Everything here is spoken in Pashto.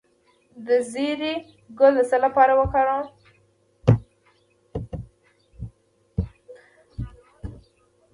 د زیرې ګل د څه لپاره وکاروم؟